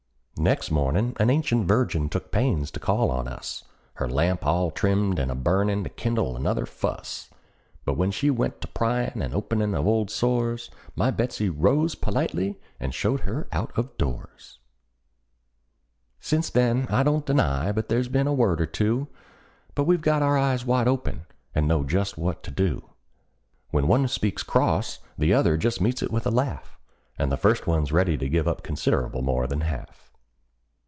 Next mornin' an ancient virgin took pains to call on us, Her lamp all trimmed and a burnin' to kindle another fuss; But when she went to pryin' and openin' of old sores, My Betsey rose politely, and showed her out of doors. "MY BETSEY ROSE POLITELY, AND SHOWED HER OUT OF DOORS." Since then I don't deny but there's been a word or two; But we've got our eyes wide open, and know just what to do: When one speaks cross the other just meets it with a laugh, And the first one's ready to give up considerable more than half.